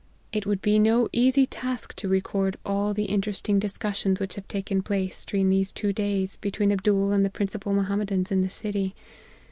" It would be no easy task to record all the in teresting discussions which have taken place, during these two days, between Abdool and the principal Mohammedans in the city.